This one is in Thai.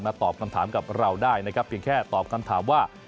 ตอบคำถามกับเราได้นะครับเพียงแค่ตอบคำถามว่า